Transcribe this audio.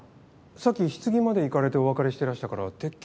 さっき棺まで行かれてお別れしてらしたからてっきり。